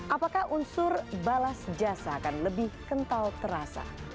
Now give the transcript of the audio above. apakah unsur balas jasa akan lebih kental terasa